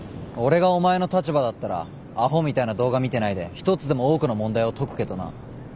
俺がお前の立場だったらアホみたいな動画見てないで１つでも多くの問題を解くけどな。